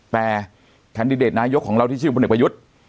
แต่แคนดิเดตนายกของเราที่ชื่อพลเอกประยุทธ์